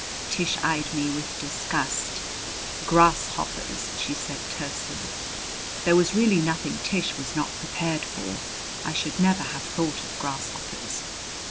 Tish eyed me with disgust. "Grasshoppers!" she said tersely. There was really nothing Tish was not prepared for. I should never have thought of grasshoppers.